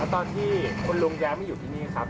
ตอนที่คุณลุงย้ายมาอยู่ที่นี่ครับ